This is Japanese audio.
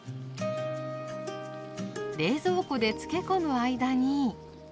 冷蔵庫で漬け込む間に。